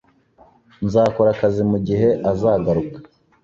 Nzakora akazi mugihe azagaruka.